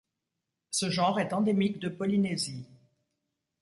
Ce genre est endémique de Polynésie.